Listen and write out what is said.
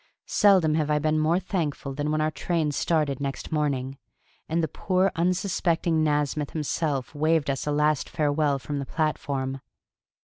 Seldom have I been more thankful than when our train started next morning, and the poor, unsuspecting Nasmyth himself waved us a last farewell from the platform.